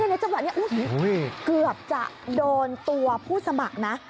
ในจังหวะนี้เกือบจะโดนตัวผู้สมัครนะ